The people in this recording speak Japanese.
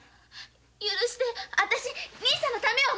許して私兄さんのためを思って。